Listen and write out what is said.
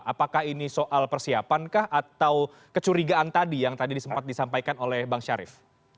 apakah ini soal persiapankah atau kecurigaan tadi yang tadi disampaikan oleh bang syarif